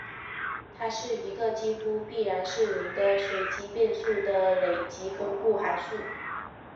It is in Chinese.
它是一个几乎必然是零的随机变数的累积分布函数。